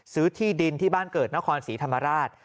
ที่ดินที่บ้านเกิดนครศรีธรรมราช